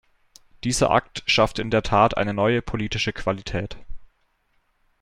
Dieser Akt schafft in der Tat eine neue politische Qualität.